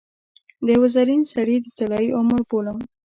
د یوه زرین سړي د طلايي عمر بولم.